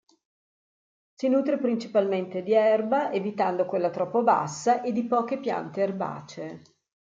Si nutre principalmente di erba, evitando quella troppo bassa, e di poche piante erbacee.